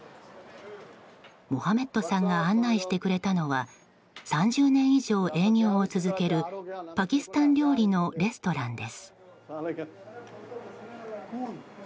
モハメッドさんが案内してくれたのは３０年以上営業を続けるパキスタン料理のレストランです。